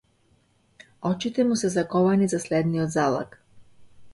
Очите му се заковани за следниот залак.